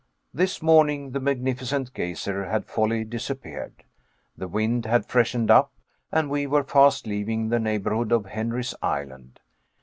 This morning the magnificent geyser had wholly disappeared. The wind had freshened up, and we were fast leaving the neighborhood of Henry's Island.